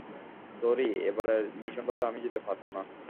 Sorry, এবারের মিশনটাতে আমি যেতে পারবো না।